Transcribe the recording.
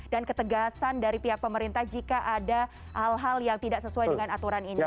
dan ketegasan dari pihak pemerintah jika ada hal hal yang tidak sesuai dengan aturan ini